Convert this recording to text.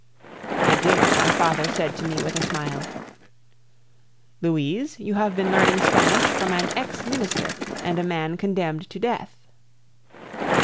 At dinner my father said to me with a smile: "Louise, you have been learning Spanish from an ex minister and a man condemned to death."